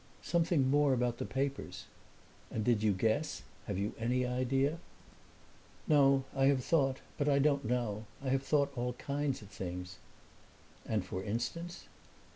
"Something more about the papers." "And did you guess have you any idea?" "No, I have thought but I don't know. I have thought all kinds of things." "And for instance?"